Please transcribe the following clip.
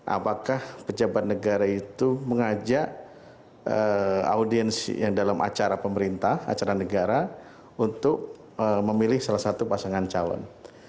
apakah pejabat negara itu mengajak audiens yang dalam acara pemerintah acara negara untuk memilih salah satu pasangan calon